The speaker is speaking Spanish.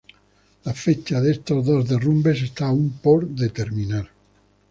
Las fechas de estos dos derrumbes están aún por determinar.